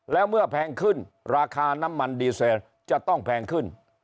แล้วเมื่อแพงขึ้นราคาน้ำมันดีเซลจะต้องแพงขึ้น